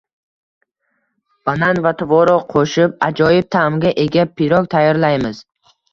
Banan va tvorog qo‘shib, ajoyib ta’mga ega pirog tayyorlaymiz